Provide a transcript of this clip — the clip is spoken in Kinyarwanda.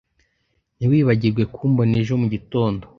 Ntiwibagirwe kumbona ejo mugitondo